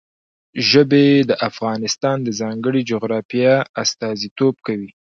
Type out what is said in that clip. ژبې د افغانستان د ځانګړي جغرافیه استازیتوب کوي.